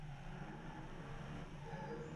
Hja like op it famke fan 'e sjippereklame.